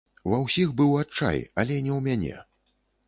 Ва ўсіх быў адчай, але не ў мяне.